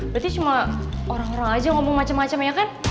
berarti cuma orang orang aja ngomong macam macam ya kan